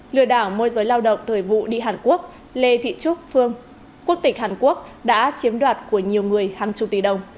lừa đảo môi giới lao động thời vụ đi hàn quốc lê thị trúc phương quốc tịch hàn quốc đã chiếm đoạt của nhiều người hàng chục tỷ đồng